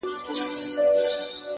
o سم پسرلى ترې جوړ سي ـ